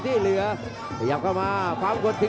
โอ้โหไม่พลาดกับธนาคมโด้แดงเขาสร้างแบบนี้